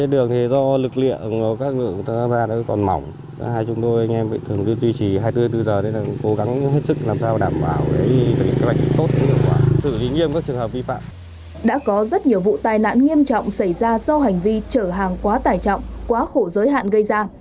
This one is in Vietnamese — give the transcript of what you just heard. đã có rất nhiều vụ tai nạn nghiêm trọng xảy ra do hành vi chở hàng quá tài trọng quá khổ giới hạn gây ra